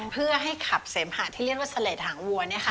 เพื่อให้ขับเสมหะที่เรียกว่าเสลดหางวัว